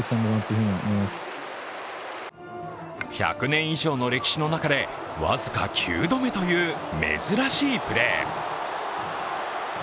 １００年以上の歴史の中で僅か９度目という珍しいプレー。